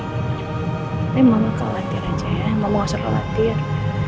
tapi mama akan latih aja ya mama akan serah latih